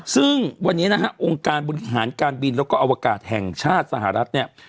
ซึ่งวันนี้นะฮะองค์การบริหารการบินแล้วก็อวกาศแห่งชาติสหรัฐเนี่ย